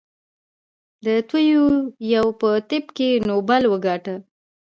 تو یویو په طب کې نوبل وګاټه.